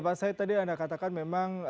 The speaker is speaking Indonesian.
pak said tadi anda katakan memang